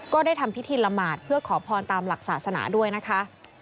ก็ได้ทำพิธีละหมาดเพื่อขอพรตามหลักศาสนาด้วยนะคะ